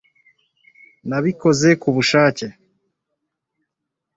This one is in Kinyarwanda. nabikoze kubushake